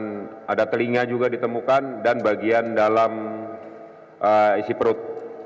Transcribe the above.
dan ada telinga juga ditemukan dan bagian dalam isi perut